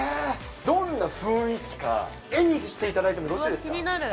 どんな雰囲気か、絵にしていただいてもよろしいですか？